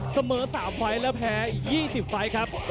เสมอ๓ไฟล์และแพ้อีก๒๐ไฟล์ครับ